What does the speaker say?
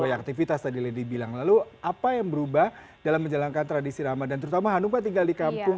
palestinians lalu apa yang berubah dalam menjalankan tradisi ramadan terutama anuma tinggal di kampung